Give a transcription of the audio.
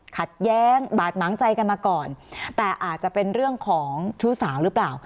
ขัดแย้งบาดหมางใจกันมาก่อนแต่อาจจะเป็นเรื่องของชู้สาวหรือเปล่า